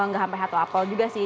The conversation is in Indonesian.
nggak sampai satu apel juga sih